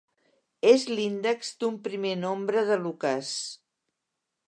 És l'índex d'un primer nombre de Lucas.